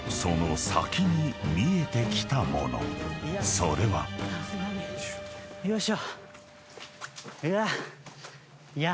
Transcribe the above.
［それは］よいしょ。